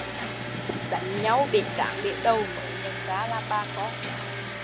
Đánh nhau bể trán bể đầu mới nhận ra là bà con